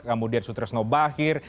kemudian sutresno bakir